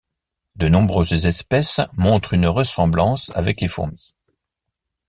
De nombreuses espèces montrent une ressemblance avec les fourmis.